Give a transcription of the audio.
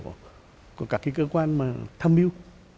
các cái cơ quan thâm mưu